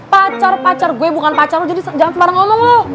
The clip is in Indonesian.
pacar pacar gue bukan pacar lo jadi jangan sebarang omong lo